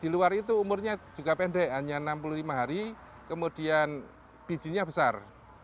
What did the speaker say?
di luar itu umurnya juga pendek hanya enam puluh lima hari kemudian bijinya besar